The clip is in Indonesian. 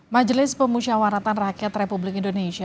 majelis pemusyawaratan rakyat republik indonesia